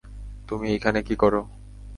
তুমি এইখানে কি করো?